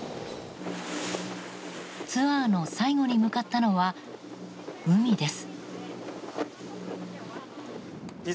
ツアーの最後に向かったのは海です。